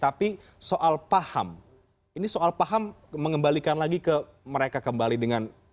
tapi soal paham ini soal paham mengembalikan lagi ke mereka kembali dengan